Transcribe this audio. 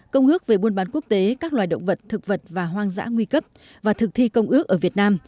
công ước về buôn bán quốc tế các loài động vật thực vật và hoang dã nguy cấp và thực thi công ước ở việt nam